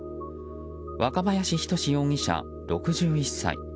若林仁容疑者、６１歳。